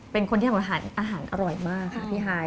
เป็นคนที่ทำอาหารอร่อยมากค่ะพี่ฮาย